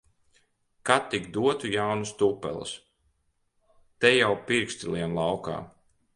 Ka tik dotu jaunas tupeles! Te jau pirksti liek laukā.